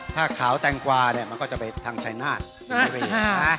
ถ้าขาวแตงกว่ามันก็จะไปทางชัยนาธิ์